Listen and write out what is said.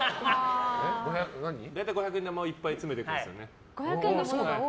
大体、五百円玉をいっぱい詰めていくんですよね。